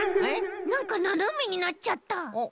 なんかななめになっちゃった。